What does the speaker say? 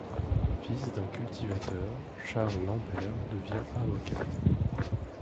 Fils d'un cultivateur, Charles Lambert devient avocat.